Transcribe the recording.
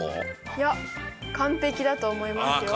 いや完璧だと思いますよ。